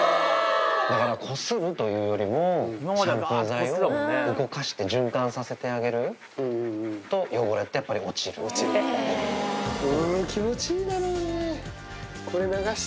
だからこするというよりも、シャンプー剤を動かして循環させてあげると、汚れってやっぱり落気持ちいいだろうね。